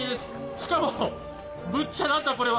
しかもむっちゃ何だこれは？